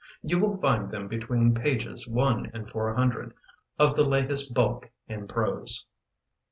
You will find them between Pages one and four hundred Of the latest bulk in prose.